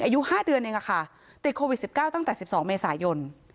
อายุ๕เดือนเองค่ะติดโควิด๑๙ตั้งแต่๑๒เมษายน